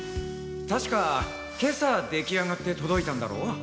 確かけさ出来上がって届いたんだろ？